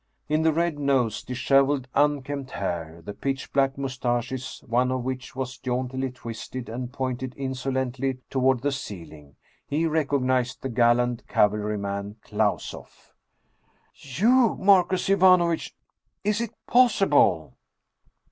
In the red nose, disheveled, unkempt hair, the pitch black mustaches, one of which was jauntily twisted and pointed insolently toward the ceiling, he recog nized the gallant cavalryman Klausoff. " You Marcus Ivanovitch ? Is it possible